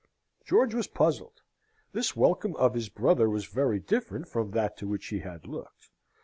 George was puzzled. This welcome of his brother was very different from that to which he had looked.